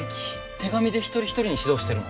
手紙で一人一人に指導してるの？